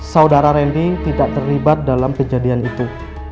saudara randy tidak terlibat dalam kejadian itu